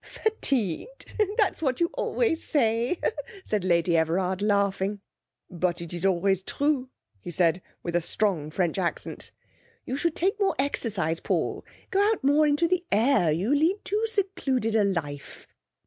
'Fatigued? That's what you always say,' said Lady Everard, laughing. 'But it is always true,' he said, with a strong French accent. 'You should take more exercise, Paul. Go out more in the air. You lead too secluded a life.'